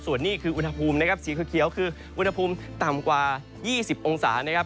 ส่วนนี้คืออุณหภูมินะครับสีเขียวคืออุณหภูมิต่ำกว่า๒๐องศานะครับ